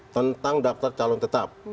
tentang daftar calon tetap